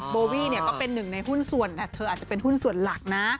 โบวี่ก็เป็นหนึ่งในหุ้นส่วนเธออาจจะเป็นหุ้นส่วนหลักนะ